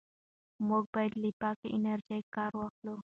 موږ باید له پاکې انرژۍ کار واخلو.